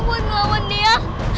buat ngelawan dia